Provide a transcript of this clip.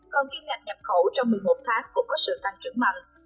còn kiêm ngạch nhập khẩu trong một mươi một tháng cũng có sự tăng trưởng mạnh